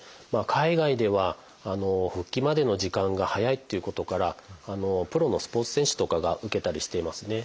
海外では復帰までの時間が早いっていうことからプロのスポーツ選手とかが受けたりしていますね。